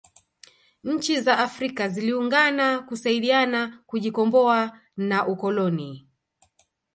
nchi za afrika ziliungana kusaidiana kujikomboa na ukoloni